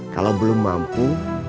kalau belum mampu